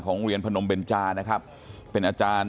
คุณยายบอกว่ารู้สึกเหมือนใครมายืนอยู่ข้างหลัง